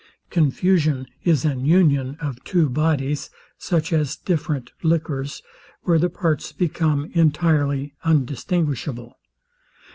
Confusion is an union of two bodies, such as different liquors, where the parts become entirely undistinguishable.